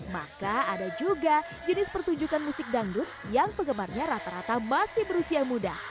maka ada juga jenis pertunjukan musik dangdut yang penggemarnya rata rata masih berusia muda